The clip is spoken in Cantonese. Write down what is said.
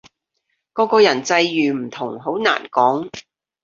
個個人際遇唔同，好難講